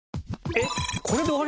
えっ？